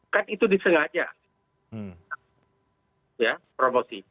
kan itu disengaja ya promosi